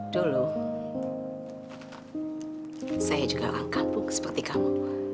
dulu saya juga orang kampung seperti kamu